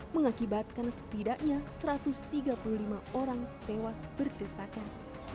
mengakibatkan setidaknya satu ratus tiga puluh lima orang tewas berdesakan